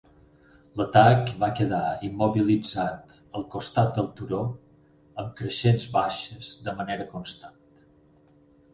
L'atac va quedar immobilitzat al costat del turó amb creixents baixes de manera constant.